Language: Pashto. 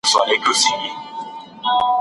که ګوزار سخت وي نو دښمن ماتیږي.